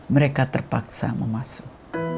mereka terpaksa memasuk